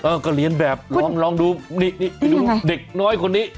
เออก็เรียนแบบลองลองดูนี่นี่นี่ดูนี่ยังไงเด็กน้อยคนนี้